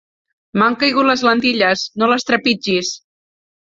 M'han caigut les lentilles, no les trepitgis!